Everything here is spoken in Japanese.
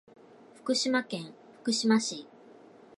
福島県福島市